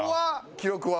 記録は？